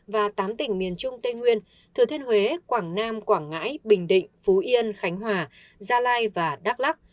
và tám tỉnh miền trung tây nguyên thừa thiên huế quảng nam quảng ngãi bình định phú yên khánh hòa gia lai và đắk lắc